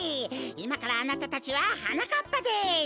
いまからあなたたちははなかっぱです！